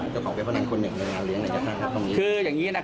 เจ้าของเว็บพนันคนหนึ่งไปเวาร้านเวลาเลี้ยงนะคะ